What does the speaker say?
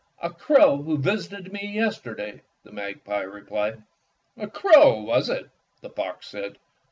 "A crow who visited me yesterday," the magpie replied. "A crow, was it?" the fox said.